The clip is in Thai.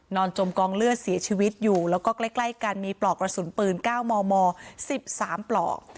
จมกองเลือดเสียชีวิตอยู่แล้วก็ใกล้กันมีปลอกกระสุนปืน๙มม๑๓ปลอก